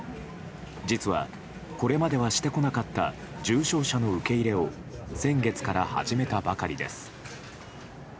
実は、これまではしてこなかった重症者の受け入れを先月から始めたばかりです。